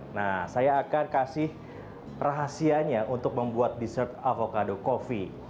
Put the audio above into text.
nah saya akan kasih rahasianya untuk membuat dessert avocado coffee